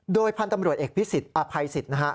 โดยพันธ์ตำรวจเอกพิสิทธิอภัยสิทธิ์นะฮะ